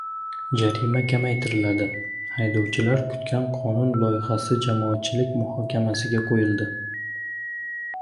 Jarima kamaytiriladi: haydovchilar kutgan qonun loyihasi jamoatchilik muhokamasiga qo‘yildi